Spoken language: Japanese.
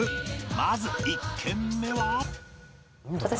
まず１軒目は